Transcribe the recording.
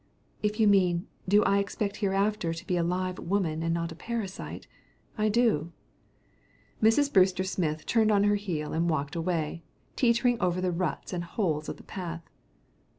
"If you mean, do I expect hereafter to be a live woman and not a parasite I do." Mrs. Brewster Smith turned on her heel and walked away, teetering over the ruts and holes of the path.